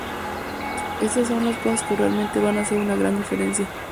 Estas son las cosas que realmente van a hacer una gran diferencia.